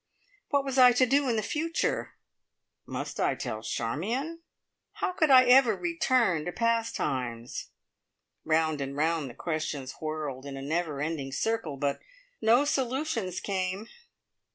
What was I to do in the future? Must I tell Charmion? How could I ever return to "Pastimes"? Round and round the questions whirled in a never ending circle, but no solutions came.